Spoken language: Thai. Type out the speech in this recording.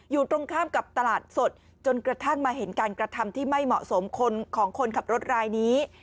อยู่ตรงข้ามกับตลาดสดจนกระทั่งมาเห็นการกระทำที่ไม่เหมาะสมของคนขับรถรายนี้